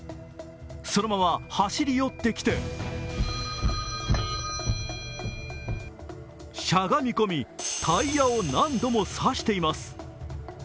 そのまま走り寄ってきてしゃがみ込みタイヤを何度も刺しています。